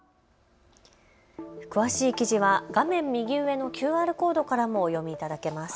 詳しい記事は画面右上のＱＲコードからもお読みいただけます。